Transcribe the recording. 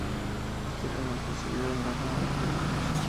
Posteriormente sirvió en la Armada Imperial Rusa.